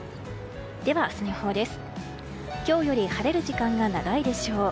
では、明日の予報です。